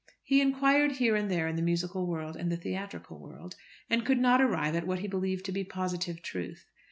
He inquired here and there in the musical world and the theatrical world, and could not arrive at what he believed to be positive truth.